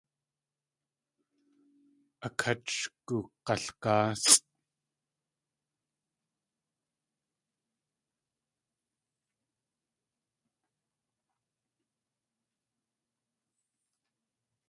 A kát sh gug̲algáasʼ.